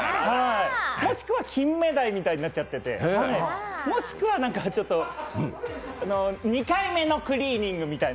もしくは金目鯛みたいになっちゃってて、もしくはちょっと２回目のクリーニングみたいな。